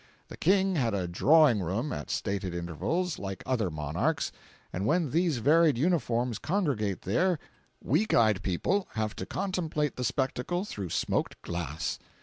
The King had a "drawing room" at stated intervals, like other monarchs, and when these varied uniforms congregate there—weak eyed people have to contemplate the spectacle through smoked glass.